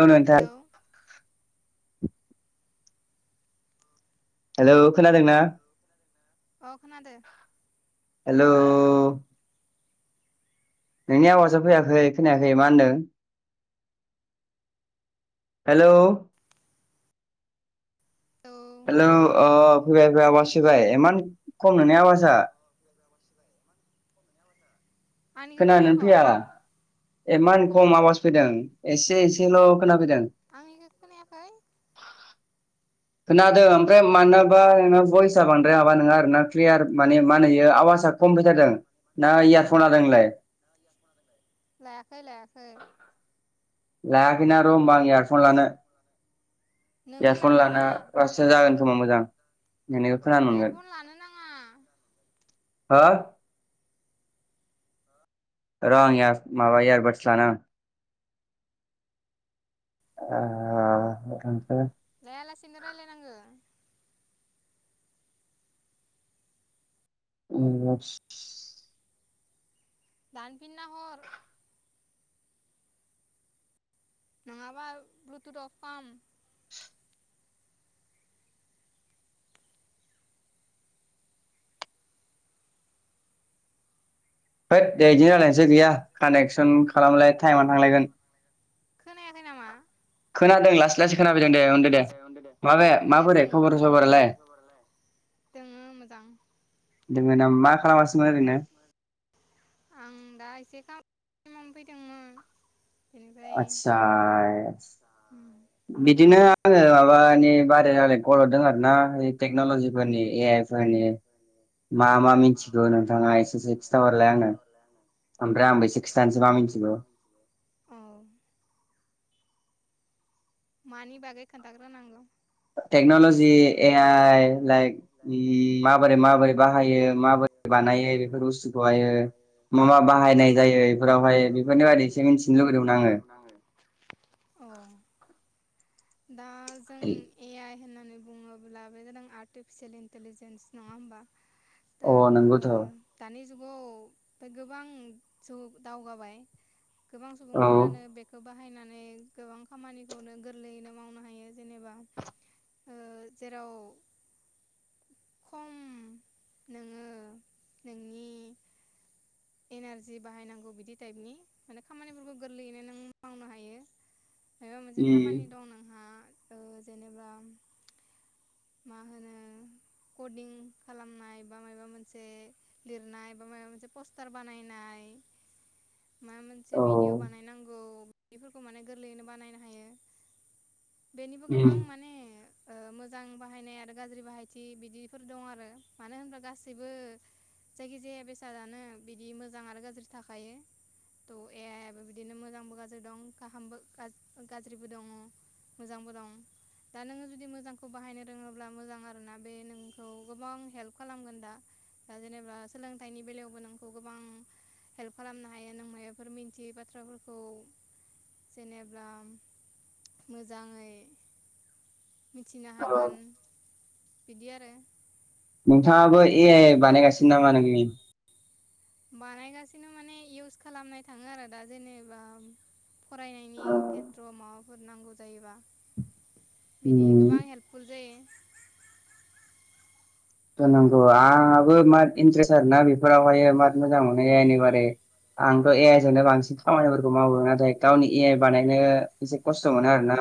औ नोंथां। हेलौ खोनादों ना? अ खोनादो। हेल'। नोंनि आवासा फैयाखै खोनायाखै मा होनदों? हेलौ। हेल' अ फैबाय फैबाय आवास फैबाय एमान खम नोंनि आवासा। आनिखो खोनायाखय? एमान खम आवाज फैदों एसे एसेल' आंनिखो खोनोयाखै? खोनादो ओमफ्राय मानोबा नोंना भयसा बांद्राय माबा नोङा आरोना क्लियार मा होनो एयो आवा सा कम फैथारदों ना इयारफन‌ लादों नोंलाय? लायाखै लायाखै। लायाखैना र' होमबा आं एयारफन लानो। एयारफन लाना जागोन खोमा मोजां नोंनिखो खोनानो मोनगोन। हा, र आं इयारस माबा इयारबाडस लानां। [unintelligible] लाया लासिनो लायरायनांगोन। [unintelligible] दानफिनना हर। नङाबा ब्लुथुद अब खाम। होद दे इदिनो जालायनोसै गैया कानेकसन खालामलाय टाइमा थांलायगोन। खोनायाखै नामा? खोनादों लासै लासै खोनाफैदों दे होनदो दे माबे माबोरै खबर सबरालाय? दोङो मोजां। नोंङो दा मा खालामसिनो ओरैनो? आं दा एसे खामानि मावनो फै आतसा बिदिनो आङो माबानि बारै रायलायनो कल हरदों आरोना टेक्न'ल'जिफोरनि ए आइ फोरनि मा मा मिथिगौ नोंथाङा एसेसो खिन्थाहरलाय आंनो। ओमफ्राय आंसे खिथानोसै मा मिथिगौ मानि बागै खोनथाग्रो नांगौ टेक्न'लजि ए आइ लाइक इ माबोरै माबोरै बाहायो मा बानायो बे बुस्थुखौ मा मा बाहायनाय जायो बेफोरावहाय बेफोरनि बादै मिथिनो लुबैदोंमोन आङो अ दा जों ए आइ होनना नानै बुङोब्ला बे जादों आर्टिफिसियेल इन्टेलिजेन्स नङा होनबा। अ नंगौथ' जुगाव गोबां दावगाबाय गोबां सुबुंफोरानो बेखौ बाहायनानै गोबां खामानिखौनो गोरलैयैनो मावनो हायो जेनेबा ओ जेराव खम नोङो नोंनि एनारजि बाहायनांगौ बिदि टाइपनि माने खामानिफोरखौ गोरलैयैनो नों मावनो हायो। [inaudible] मायबा मोनसे खामानि दं नोंहा ओ जेनेबा मा होनो कदिं खालामनाय बा मायबा मोनसे लिरनाय बा मायबा मोनसे पस्टार बानायनाय [inaudible] माबा मोनसे भिडिअ' बानायनांगौ बेफोरखौ माने गोरलैयैनो बानायनो हायो। बेनिबो गोबां माने मोजां बाहायनाय आरो गाज्रि बाहायथि बिदिफोर दं आरो मानो होनोबा गासैबो जायखिजाया बेसादानो बिदि मोजां आरो गाज्रि थाखायो। थ' ए आइयाबो बिदिनो मोजांबो गाज्रि दं गाहामबो गाज्रिबो दङ मोजांबो दं दा नोङो जुदि मोजां खौ बाहायनो रोङोब्ला मोजां आरोना बे नोंखौ गोबां हेल्प खालामगोन दा दा जेनेबा सोलोंथाइनि बेलायावबो नोंखौ गोबां हेल्प खालामनो हायो नों मायबाफोर मिन्थियै बाथ्राफोरखौ जेनेबा मोजाङै थिनो हागोन बिदि आरो नोंथाङाबो ए आइ बानायगासिनो नामा नोंनि बानायगासिनो माने इउस खालामनाय थाङो आरो दा जेनेबा फरायनायनि खेथ्रआव माबाफोर नांगौ जायोबा बिदि गोबां हेल्पफुल जायो। नांगौ आंहाबो माद इन्ट्रेस्ट आर ना बेफोरावहाय मत मोजां मोनहोयो एनि बारै आंथ' ए आइ जोंनो बांसिन खामानिफोरखौ मावो नाथाय गावनि ए आइ बानायनो एसे खस्थ' मोनो आरोना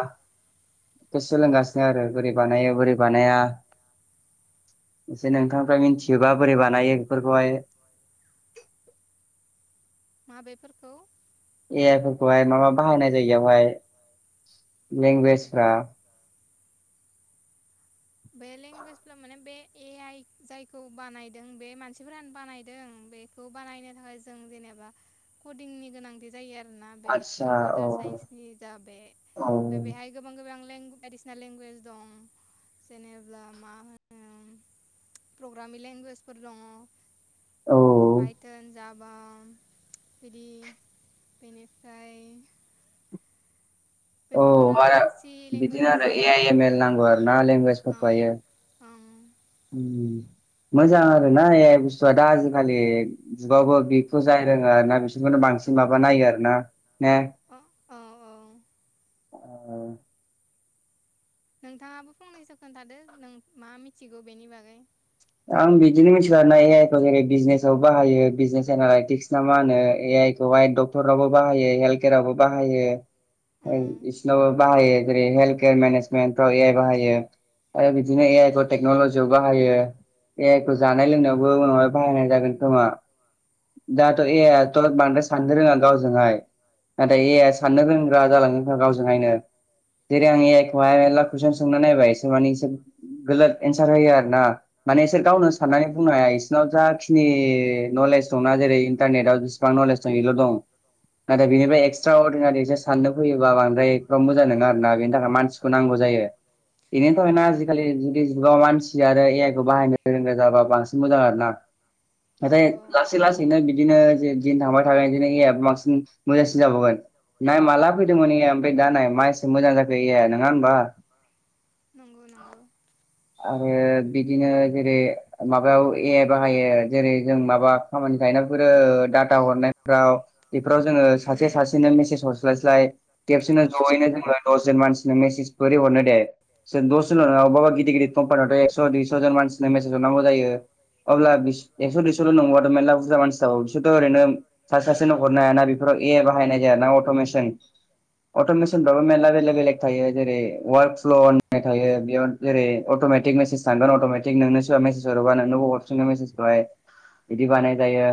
[unintelligible] टेस्ट सोलोंगासिनो आरो बोरै बानायो बोरै बानाया एसे नोंथांफ्राय मिथियोबा बोरै बानायो बेफोरखौहाय माबेफोरखौ ए आइ फोरफोरखौहाय मा मा बाहायनाय जायो यावहाय लेंगुवेजफ्रा बे लेंगुवेज फोर माने बे ए आइ जायखौ बानायदों बे मानसिफोरानो बानायदों। बेखौ बानायनो थाखाय जों जेनेबा कुदिंनि गोनांथि जायो आरो। ना बे कोमपिउटार साइन्सनि जा बे बेहाय गोबां गोबां लेगुआयडिन्सेल लेंगुवेज दं। जेनेबा मा होनो प्रग्रामि लेंगुवेजफोर दङ। पायथोन जा बां बिदि बेनिफ्राय - औ मा बिदिनो आरो ए आइ एम एल नांगौ आरो ना लेंगुवेजफोरखौ हायो। मोजां आरो ना ए आइ बुस्थुआ दा आजिखालि जुगावबो बिखौ जाय रोङो आरोना बिसोरखौ बांसिन माबा नायो आरोना ने। औ। नोंथाङाबो फंनैसो खोन्थादो नों मा मिथिगौ बेनि बागै। आं बिदिनो मिथिलानाय ए आइ खौ जेरै बिजनेज आव बाहायो बिजनेस एनालाइटिक्स ना मा होनो ए आइ जायखौहाय डक्टरावबो बाहायो हेल्द' केयार आवबो बाहायो। ओय इसिरनावबो बाहायो जेरै हेल्थ केयार मेनेजमेन्ट फ्राव ए आइ बाहायो। आरो बिदिनो ए आइ खौ टेकन'लजियाव बाहायो। ए आइखौ जानाय लोंनायावबो उनावहाय बाहायनाय जागोन खोमा। दाथ' ए आइथ' बांद्राय साननो रोङा गावजोंहाय। नाथाय ए आइ आ साननो रोंग्रा जालांगोनखा गावजोंहायनो। जेरै आं ए आइ खौहाय मेरला कुइसन सोंना नायबाय इसोर माने गोलोद एन्सार होयो आरोना। माने बिसोर गावनो साननानै बुंनो हाया इसिनाव जाखिनि नलेज दंना जेरै इन्टारनेटआव बिसिबां नलेस दं इल' दं। नाथाय बेनिफ्राय एक्सट्रा अर्डिनारिसो साननो फैयो बा बांद्राय एफा मोजां नोङा आरोना बेनि थाखाय मानसिखौ नांगौ जा यो। बेनि थाखायनो आजिखालि जुगे जुगाव मानसि आरो ए आइ खौ बाहायनो रोंनाय जाबा बांसिन मोजां आरोना। नाथाय लासै लासैनो बिदिनो जे दिन थांबाय थागोन इदिनो एयफ बांसिन मोजांसिन जाबावगोन। नाय माला फैदोंमोन एआया ओमफ्राय दा नाय माइसे मोजां जाखो एआया नोङा होमबा। आरो बिदिनो जेरै माबायाव ए बाहायो जेरै जों माबा खामानि थायनाय फोरो डाटा हरनायफ्राव बेफोराव जोङो सासे सासे खेबसेनो मेसेज हरस्लायस्लाय खेबसेनो ज'यैनो जोङो दस जोन मानसि नो मेसेस बोरै हरनो दे। सोर दस' जोन ल' नङा अबा अबा गिदिथ गिदिथ कम्पादार थ' दुइस'जन मानसिनो मेसेज हरनांगौ जायो। अब्ला बिस एक्स' दुइस'ल' नंबावा था माने मेलला बुरजा मानसिआव बिसोरथ' ओरैनो सासे सासे न' हरनो हायाना बेफोराव ए आइ बाहायनाय जाया ना अट'मेसोन। अट'मेसनफ्राबो मेल्ला बेलेक बेलेग थायो जेरै वार्क फ्ल' होननाय थायो। बेयाव जेरै अट'मेटिक मेसेज थांगोन अट'मेटिक नोंनो सोरबा मेसेज हरोबा नोंनोबो हरफिनगोन मेसेजखोहाय। बिदि बानाय जायो।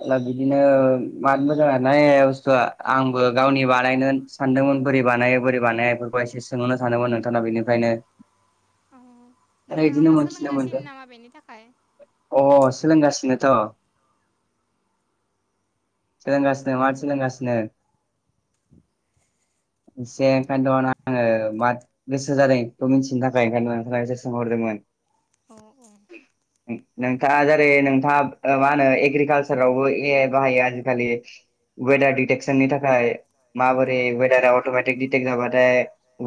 अब्ला बिदिनो माथ' मोजां आरो ना ए आइ बुस्थुआ आंबो गावनि बानायनो सानदोंमोन बोरै बानायो बोरै बानाया इफोरखो एसे सोंहरनो सानोमोन नोंथां बेनिखायनो। औ नोंथाङा मा सोलोंगासिनो नामा बेनि थाखाय? सोलोंगासिनोथ'। सोलोंगासिनो माथ सोलोंगासिनो। से ओंखायनो थ' आङो माथ' गोसो जादों बे मिथिनो था खाय ओंखायनोथ' नोंथांनाव सोंहरदोंमोन। नोंथाङा जेरै नोंथाङा ओ मा होनो एग्रिकालसारावबो ए आय बाहायो आजिखालि। वेदार दिडिटेकसननि थाखाय माबोरै वेदारा अट'मेटिक दिडटेक्ट जाबाथाय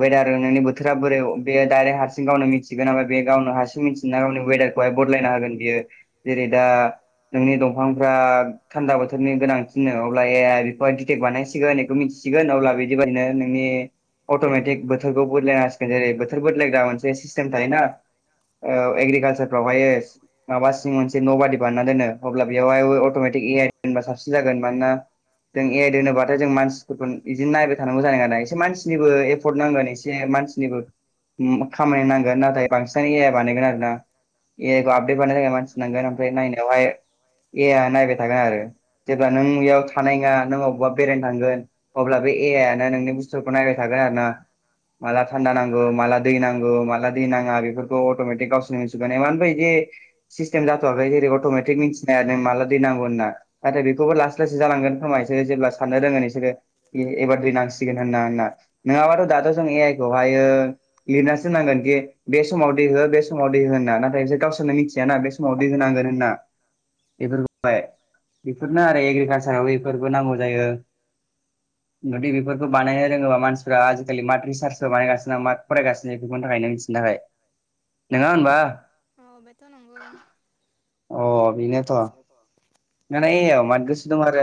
वेदार नोंनि बोथोरा बोरै बे दायरेक्ट हारसिं गावनो मिथिगोन ओमफ्राय बे गावनो हारसिं मिथिा गावनि वेदारखौहाय बदलायना हागोन बियो। जेरै दा नोंनि दंफांफ्रा थान्दा बोथोरनि गोनांथिनो अब्ला एइ बेखौह डिटेक्ट बानायहसिगोन होन बेखौ मिथि सिगोन अब्ला बिदि बायदिनो नोंनि अट'मेटिक बोथोरखौ बुदलायनांसिगोन। जेरै बो थोर बोदलायग्रा मोनसे सिस्थम थायोना। ओ एग्रिकालसारफ्रावहाय माबा सिं मोनसे न' बादि बान्ना दोनो। अब्ला बेयावहाय अट'मेटिक ए आय होनबा साबसिन जागोन। मानोना जों एड होनोबाथाय जों मानसिफोरखौनो बिदिनो नायबाय थानांगौ जानायोना एसे मानसिनिबो एफर्ट नांगोन एसे मानसि खामानि नांगोन ना बांसिनानो ए आइ बानायोन आरोना एइ बे खौ मानसि नांगोन ओमफ्राय नायावहाय ए आ नायबाय थागोन आरो जेब्ला नों बेयाव थानाय नङा नों अबावबा बेरायनो थांगोन अब्ला बे नो नोंनि बुसथुखौ नायबाय थागोन आरो ना माला था नांगौ माला नांगौ दै नाङा बेफोरखौ अट'मिटिक गावसोरनोगोनाफ्राय सिस्टेम जाथ'वाखै जेरै अटमेटिक मि सिनाया नों माला दै नांगौ होनना नाथाय बेखौबो लासै लासै जालांगोन खोमा बिसोरो जेब्ला साननो रोङो नोंसोरो एबार दै नांसिगोन होनना होनना नङाबाथ' दाथ' जों ए आइ खौहायो मिनांगोनखि बे समाव दै हो बे समाव दै हो होनना नाथाय बिसोर गावसोरनो मिथियाना बे समाव दै होनांगोन होनना बेफोरखौहाय बेफोरनो आरो एग्रिकालसाराव बेफोरबो नांगौ जायो गुदिे बेफोरखौ बानायनो रोङोबा मानसिफ्रा आजिखालि मट्रि सार्ज बानायगासिनो फरायगासिनो बेफोरनि थाखाय नों मिथिनो थाखाय नङा होनबा [inaudible] बेनोथ' नानायाव माद गोसो दं आरो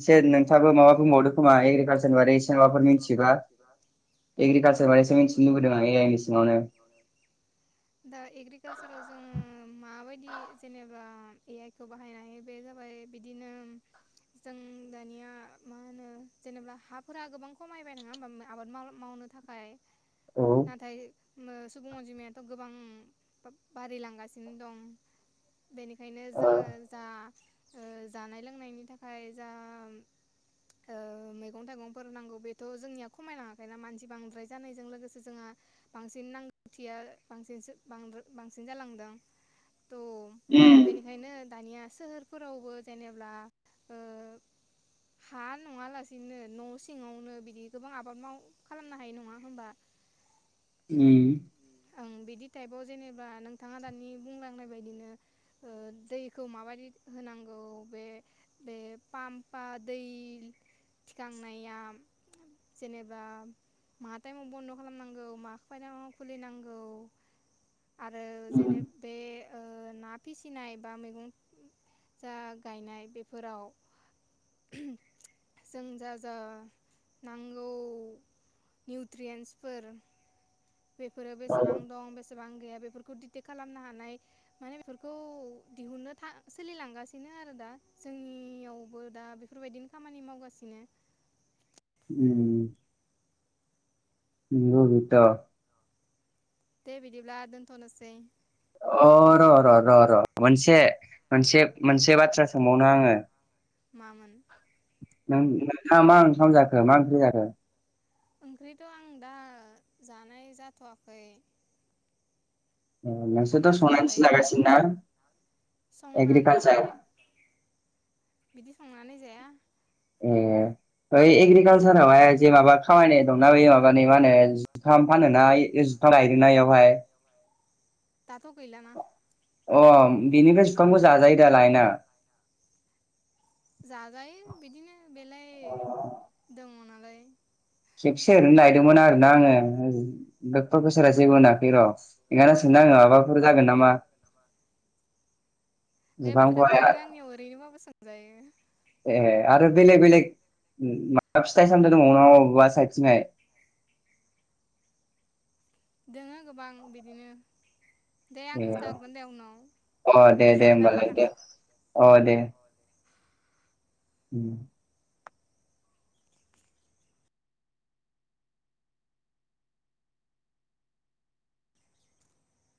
एसे नोंथाङाबो माबा बुंबावदो खोमा एग्रिकालसार बारै एसे माबाफोरथि एग्रिकालसार मिथि दा एग्रिकालसाराव जोंङो माबायदि बिदि जेनेबा ए आइ खौ बाहायनाय बे जाबाय बिदिनो जों दानिया मा होनो जेनेबा हाफोरा गोबां खमायबाय नङा होमबा आबाद मावनानै नो थाखाय नाथाय सुबुं अनजिमायाथ' गोबां बारायलांगासिनो दं बेनिखनो ओंखायनो जोंङो जा जानाय लोंनायनि थाखाय जा ओ मैगं - थाइगंफोर नांगौ बेथ' जोंनिया खमायलाङाखैना मानसि बांद्राय जानायजों लोगोसे जोंहा बांसिन नांगौथिया बां बांसिन जालांदों [inaudible] ओम बेनो दानिया सोहोरफोरावबो जेनेबा हा नङा लासिनो न' सिङावनो बिदि गोबां आबाद माव खालामनो हायो नङा होमबा उम ओं बिदि टाइपआव जेनेबा नोंथाङा दानि बुंलांनाय बायदिनो दैखौ माबायदि होनांगौ बे बे पामफा दै थिखांनाया जेनेबा मा टाइमाव बन्द' खालामनांगौ मा खुलिनांगौ आरो जेने बे ना फिसिनाय बा मैगं जा गायनाय बेफोराव [inaudible] जों जा - जा नांगौ निउट्रियन्सफोर बेफोरो बेसेबां दं बेसेबां गैया बे दिटेक्ट खालामनो हानाय माने बेफोरखौ दिहुननो सोलिलांगासिनो आरो दा जोंनियावबो दा बेफोरबायदिनो खामानि मावगासिनो [inaudible] उम [inaudible] दे बिदिब्ला दोनथ'नोसै अ र' -र' -र' -र' मोनसे -मोनसे -मोनसे बाथ्रा सोंबावनो आङो मामोन नों नोंथा मा ओंखाम जाखो मा ओंख्रि जाखो ओंख्रिथ' आं दा जानाय जाथ'वाखै ए नोंसोरथ' संनानैसो जागासिनो ना संनानै माने बिदि ए ऐ एग्रिकालसारावहाय जे माबा खामायनाय दंना ब माबानि मा होनो जुखाम फानैनाय [unintelligible] दाथ' गैलाना अ बिनिफ्राय जुखामखौ जाजायोदा लायना जाजायो बिदिनो बेले औ दङ नालाय खेबसे ओरैनो लायदोंमोन आर ना आङो थर बोसोरा जेबो मोनाखै र' ओंखायनो सों नाङो माबाफोर जागोन नामा? बे बाथ्राखौ नोङो आंनियाव ओरैनोबाबो सोंजायो। ए आरो बेलेग बेलेग माबा फिथाइ सामथायाइ दंनाव [unintelligible] दोङो गोबां बिदिनो दे आं खिथाहरगोनदे उनाव एआव रायलायना अ दे ओम